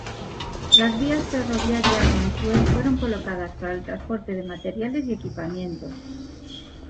Las vías ferroviarias manchúes, fueron colocadas para el transporte de materiales y equipamiento.